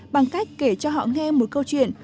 bằng cách kể cho họ nghe một câu chuyện